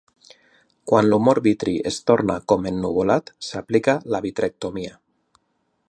Quan l'humor vitri es torna com ennuvolat, s'aplica la vitrectomia.